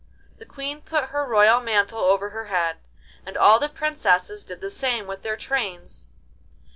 The Queen put her royal mantle over her head, and all the princesses did the same with their trains.